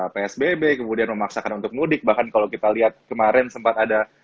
psbb kemudian memaksakan untuk mudik bahkan kalau kita lihat kemarin sempat ada